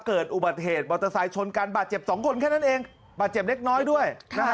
เกิดอุบัติเหตุมอเตอร์ไซค์ชนกันบาดเจ็บสองคนแค่นั้นเองบาดเจ็บเล็กน้อยด้วยนะฮะ